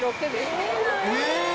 え！